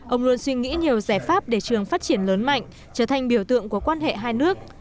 ông luôn suy nghĩ nhiều giải pháp để trường phát triển lớn mạnh trở thành biểu tượng của quan hệ hai nước